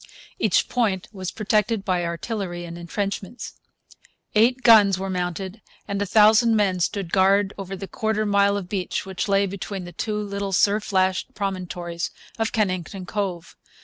Each point was protected by artillery and entrenchments. Eight guns were mounted and a thousand men stood guard over the quarter mile of beach which lay between the two little surf lashed promontories of Kennington Cove.